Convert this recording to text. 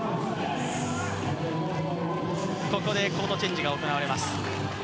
ここでコートチェンジが行われます。